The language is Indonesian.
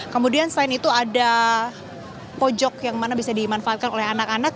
kemudian selain itu ada pojok yang mana bisa dimanfaatkan oleh anak anak